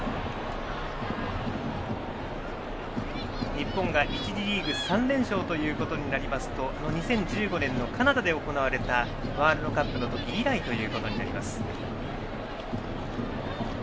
日本が１次リーグ３連勝となりますと２０１５年のカナダで行われたワールドカップの時以来です。